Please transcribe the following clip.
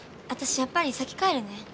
私やっぱり先帰るね。